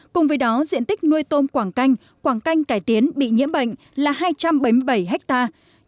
cùng với đó diện tích nuôi tôm quảng canh quảng canh cải tiến bị nhiễm bệnh là hai trăm bảy mươi bảy hectare